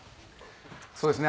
そうですね